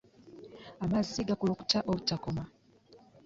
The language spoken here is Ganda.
Amazzi gakulukuta obutakoma.